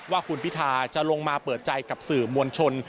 ว่าคุณพิธาจะลงมาเปิดใจกับสื่อมวลชน